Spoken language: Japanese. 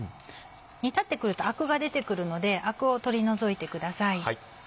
煮立ってくるとアクが出てくるのでアクを取り除いてください。